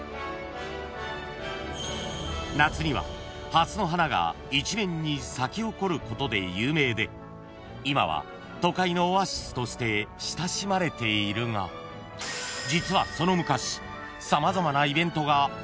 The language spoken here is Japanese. ［夏にはハスの花が一面に咲き誇ることで有名で今は都会のオアシスとして親しまれているが実はその昔様々なイベントがここで行われていた］